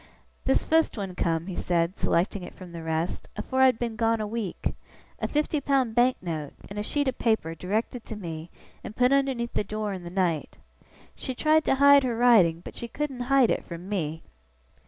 'This fust one come,' he said, selecting it from the rest, 'afore I had been gone a week. A fifty pound Bank note, in a sheet of paper, directed to me, and put underneath the door in the night. She tried to hide her writing, but she couldn't hide it from Me!